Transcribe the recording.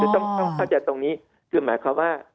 คือต้องเข้าใจตรงนี้คือหมายความว่า